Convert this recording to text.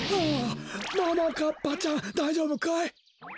ももかっぱちゃんだいじょうぶかい？